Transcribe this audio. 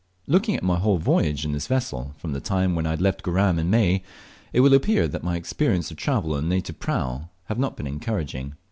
Looking at my whole voyage in this vessel from the time when I left Goram in May, it will appear that rely experiences of travel in a native prau have not been encouraging.